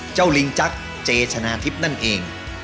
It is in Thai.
เจ้าลิงจ๊ักเจชนะทิปนั่นเอง